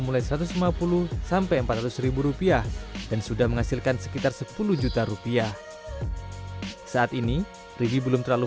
mulai satu ratus lima puluh sampai empat ratus rupiah dan sudah menghasilkan sekitar sepuluh juta rupiah saat ini rigi belum terlalu